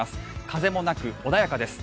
風もなく穏やかです。